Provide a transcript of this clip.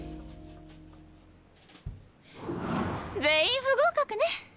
全員不合格ね。